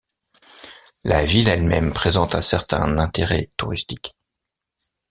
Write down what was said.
La ville elle-même présente un certain intérêt touristique.